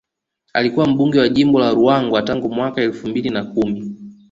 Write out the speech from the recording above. Alikuwa mbunge wa jimbo la Ruangwa tangu mwaka elfu mbili na kumi